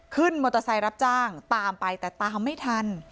ขึ้นมอเตอร์ไซค์รับจ้างตามไปแต่ตามไม่ทัน